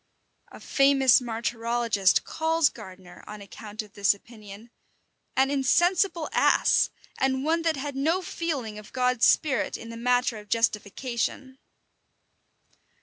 A famous martyrologist calls Gardiner, on account of this opinion, "an insensible ass, and one that had no feeling of God's spirit in the matter of justification."